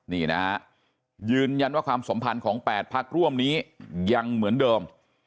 นี่นะฮะยืนยันว่าความสัมพันธ์ของ๘พักร่วมนี้ยังเหมือนเดิม